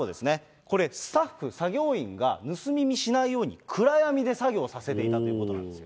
これ、スタッフ、作業員が盗み見しないように、暗闇で作業をさせていたということなんですよ。